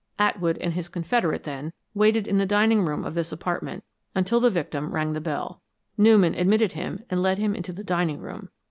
Atwood, and his confederate, then waited in the dining room of this apartment until the victim rang the bell. Newman admitted him and led him into the dining room.